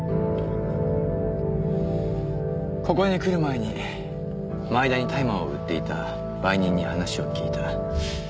ここに来る前に前田に大麻を売っていた売人に話を聞いた。